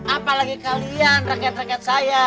apalagi kalian reket reket saya